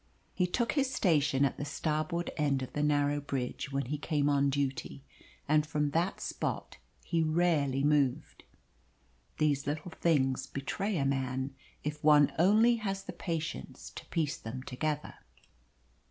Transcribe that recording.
He took his station at the starboard end of the narrow bridge when he came on duty, and from that spot he rarely moved. These little things betray a man, if one only has the patience to piece them together.